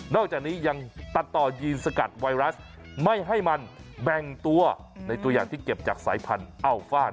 อกจากนี้ยังตัดต่อยีนสกัดไวรัสไม่ให้มันแบ่งตัวในตัวอย่างที่เก็บจากสายพันธุ์อัลฟ่าน